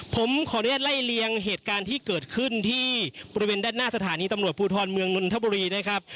ผมขออนุญาตไล่เลียงเหตุการณ์ที่เกิดขึ้นที่บริเวณด้านหน้าสถานีตำรวจภูทรเมืองนนทบุรีนะครับ